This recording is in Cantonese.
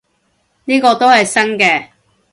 呢個都係新嘅